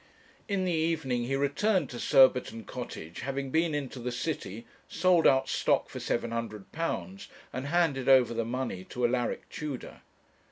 In the evening he returned to Surbiton Cottage, having been into the city, sold out stock for £700, and handed over the money to Alaric Tudor.